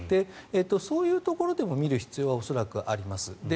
そういうところでも見る必要は恐らくあります。